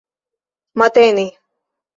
matene